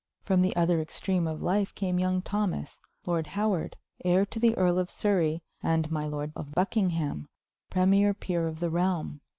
From the other extreme of life came young Thomas, Lord Howard, heir to the Earl of Surrey, and my Lord of Buckingham, premier peer of the realm.